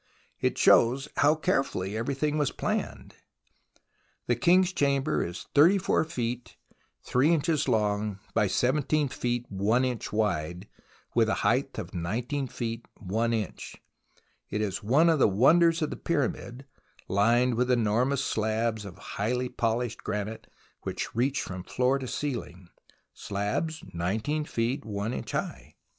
It shows how carefully everything was planned. The King's Chamber is 34 feet 3 inches long, by 17 feet I inch wide, with a height of 19 feet i inch. It is one of the wonders of the Pyramid, lined with enormous slabs of highly polished granite which reach from floor to ceiling, slabs 19 feet i inch high.